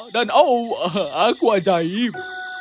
dan oh aku ajaib